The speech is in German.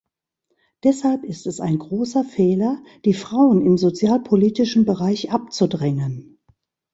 Deshalb ist es ein großer Fehler, die Frauen im sozialpolitischen Bereich abzudrängen.